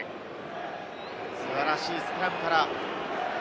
素晴らしいスクラムから。